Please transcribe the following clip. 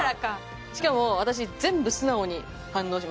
しかも私全部素直に反応しました。